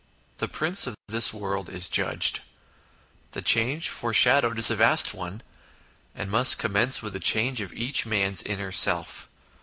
The prince of this world is judged, the change foreshadowed is a vast one, and must commence with a change of each man's inner self.